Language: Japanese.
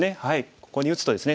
ここに打つとですね